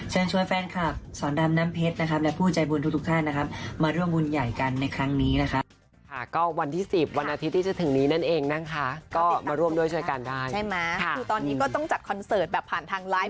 เชิญช่วยแฟนคลับสอนดำน้ำเพชรและผู้ใจบุญทุกท่าน